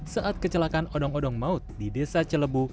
saat kecelakaan odong odong maut di desa celebu